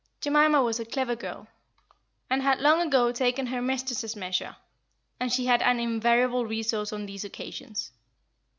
Jemima was a clever girl, and had long ago taken her mistress's measure; and she had an invariable resource on these occasions.